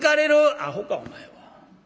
「アホかお前は。